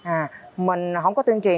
à mình không có tuyên truyền